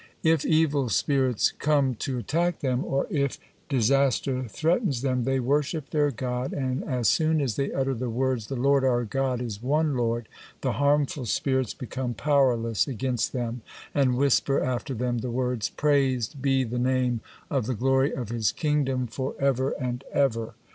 If evil spirits come to attack them, or if disaster threatens them, they worship their God, and as soon as they utter the words, 'The Lord our God is one Lord,' the harmful spirits become powerless against them and whisper after them the words, 'Praised be the Name of the Glory of His Kingdom, for ever and ever.'